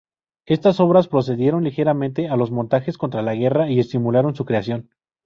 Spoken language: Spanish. Estas obras precedieron ligeramente a los montajes contra la guerra y estimularon su creación.